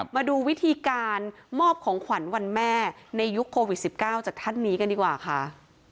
มาดูวิธีการมอบของขวัญวันแม่ในยุคโควิด๑๙จากท่านนี้กันดีกว่าค่ะ